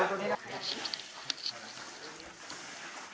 ๖ตัว